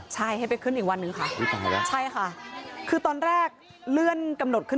ใช่ให้ไปขึ้นอีกวันนั้นค่ะคือตอนแรกเพลิ่นขึ้นเครื่องใช่ไหมคะ